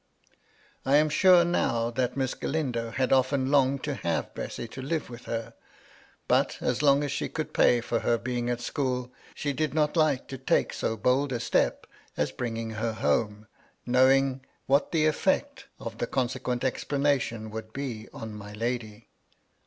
I am sure, now, that lliss Galindo had often longed to have Bessy to live with her ; but, as long as she could pay for her being at school, she did not like to take so bold a step as bringing her home, knowing what the eflfect of the consequent explanation would be on my lady.